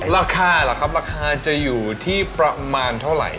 ราคาล่ะครับราคาจะอยู่ที่ประมาณเท่าไหร่